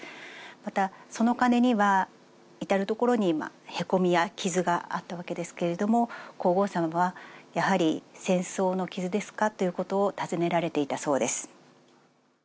またその鐘には至る所にへこみや傷があったわけですけれども皇后さまは。ということを尋ねられていたそうです。